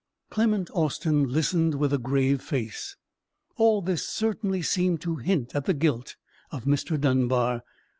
Clement Austin listened with a grave face. All this certainly seemed to hint at the guilt of Mr. Dunbar.